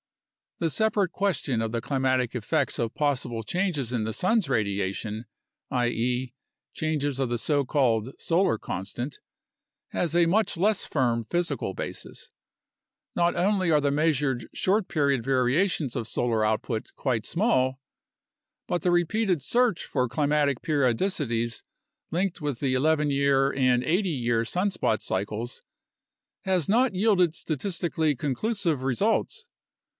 The separate question of the climatic effects of possible changes in the sun's radiation (i.e., changes of the so called solar constant) has a much less firm physical basis. Not only are the measured short period variations of solar output quite small, but the repeated search for climatic periodicities linked with the 11 year and 80 year sunspot cycles has not yielded statistically conclusive results.